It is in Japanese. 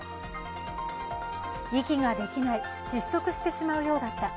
息ができない、窒息してしまうようだった、